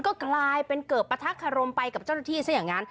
ก็กลายเป็นเกิดประทักษรมไปกับเจ้าหน้าที่ซะอย่างนั้น